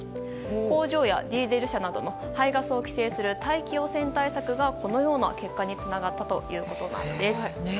工場やディーゼル車などの排ガスを規制する大気汚染対策がこのような結果につながったということなんです。